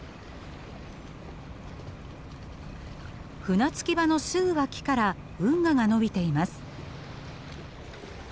船着き場のすぐ脇から運河が延びています。